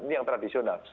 ini yang tradisional